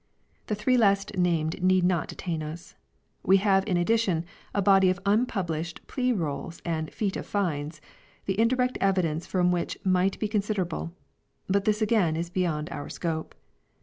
The three last named need not detain us. We have in addition a body of unpublished Plea Rolls and Feet of Fines, the indirect evidence from which might be con siderable ; but this again is beyond our scope.